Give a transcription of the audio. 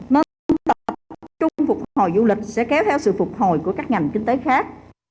nên tổng hợp trung phục hồi du lịch sẽ kéo theo sự phục hồi của các ngành kinh tế khác